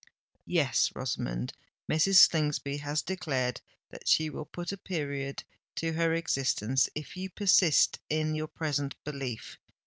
Yes, Rosamond—Mrs. Slingsby has declared that she will put a period to her existence if you persist in your present belief!